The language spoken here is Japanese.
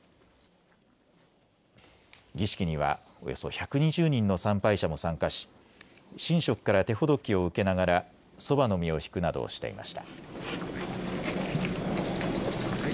儀式にはおよそ１２０人の参拝者も参加し神職から手ほどきを受けながらそばの実をひくなどをしていました。